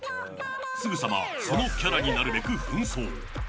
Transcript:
すぐさまそのキャラになるべくふん装。